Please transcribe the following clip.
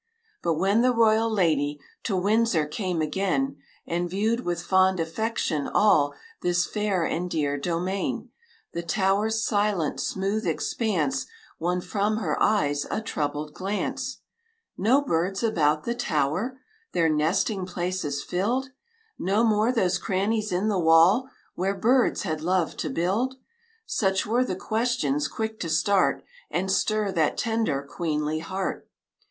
But when the royal lady To Windsor came again, And viewed with fond affection all This fair and dear domain, The tower's silent, smooth expanse Won from her eyes a troubled glance. No birds about the tower? Their nesting places filled? No more those crannies in the wall Where birds had loved to build? Such were the questions quick to start And stir that tender, queenly heart.